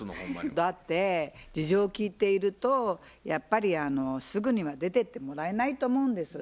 だって事情を聞いているとやっぱりすぐには出てってもらえないと思うんです。